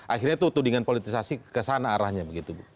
akhirnya itu tudingan politisasi kesana arahnya begitu bu